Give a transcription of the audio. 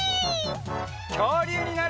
きょうりゅうになるよ！